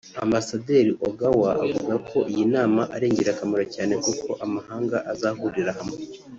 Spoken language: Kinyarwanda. Ambasaderi Ogawa avuga ko iyi nama ari ingirakamaro cyane kuko amahanga azahurira hamwe